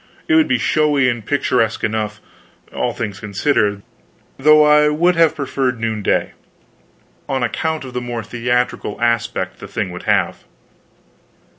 It would be showy and picturesque enough, all things considered, though I would have preferred noonday, on account of the more theatrical aspect the thing would have.